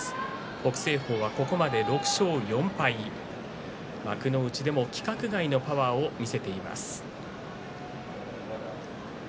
北青鵬はここまで６勝４敗幕内でも規格外のパワーを見せています。